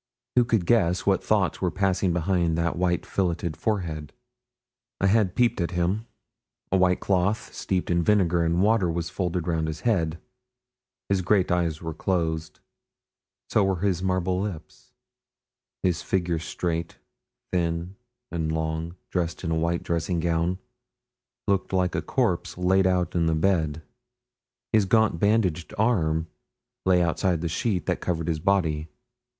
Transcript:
who could guess what thoughts were passing behind that white fillited forehead? I had peeped at him: a white cloth steeped in vinegar and water was folded round his head; his great eyes were closed, so were his marble lips; his figure straight, thin, and long, dressed in a white dressing gown, looked like a corpse 'laid out' in the bed; his gaunt bandaged arm lay outside the sheet that covered his body.